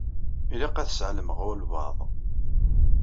Ilaq ad sɛelmeɣ walebɛaḍ.